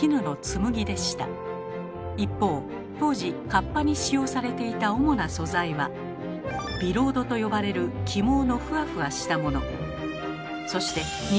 一方当時かっぱに使用されていた主な素材は「天鵞絨」と呼ばれる起毛のふわふわしたもの。